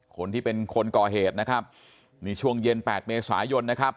คนที่เป็นคนก่อเหตุนะครับนี่ช่วงเย็นแปดเมษายนนะครับ